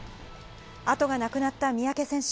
後がなくなった三宅選手。